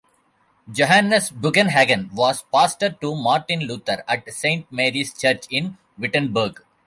Johannes Bugenhagen was pastor to Martin Luther at Saint Mary's church in Wittenberg.